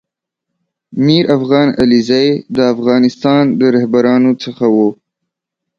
میر افغان علیزی دافغانستان د رهبرانو څخه و